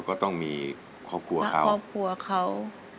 ก็ต้องมีครอบครัวเขา